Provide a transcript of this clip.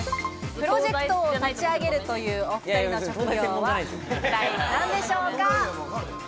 プロジェクトを立ち上げるというお２人の職業は一体何でしょうか？